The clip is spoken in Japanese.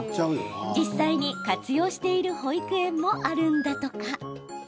実際に活用している保育園もあるんだとか。